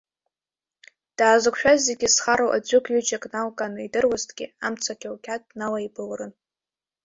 Даазықәшәаз зегьы зхароу аӡәыкҩыџьак налкааны идыруазҭгьы, амца қьоуқьад иалаибылрын.